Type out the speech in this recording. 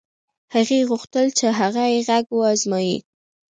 هغې غوښتل چې هغه يې غږ و ازمايي.